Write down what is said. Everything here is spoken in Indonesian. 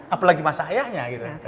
apalagi masyarakatnya ya